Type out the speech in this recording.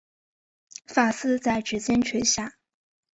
发丝在指间垂下